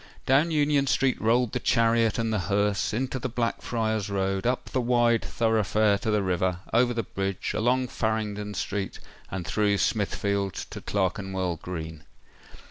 Down Union Street rolled the chariot and the hearse—into the Blackfriars Road—up the wide thoroughfare to the river—over the bridge—along Farringdon Street—and through Smithfield to Clerkenwell Green.